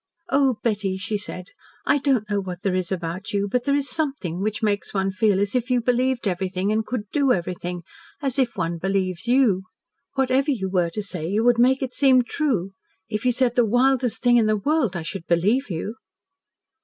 "Oh, Betty!" she said, "I don't know what there is about you, but there is something which makes one feel as if you believed everything and could do everything, and as if one believes YOU. Whatever you were to say, you would make it seem TRUE. If you said the wildest thing in the world I should BELIEVE you."